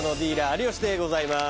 有吉でございます。